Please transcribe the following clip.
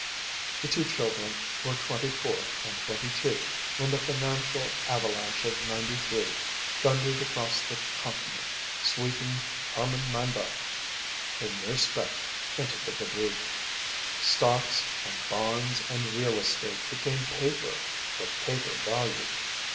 The two children were twenty four and twenty two when the financial avalanche of '93 thundered across the continent sweeping Herman Handle, a mere speck, into the débris. Stocks and bonds and real estate became paper, with paper value.